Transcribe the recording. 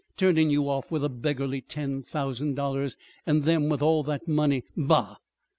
Turnin' you off with a beggarly ten thousand dollars and them with all that money! Bah!"